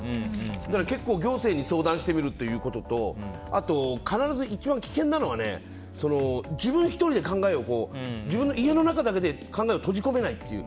だから、結構行政に相談してみることとあと、必ず一番危険なのは自分１人で自分の家の中だけで考えを閉じ込めないっていう。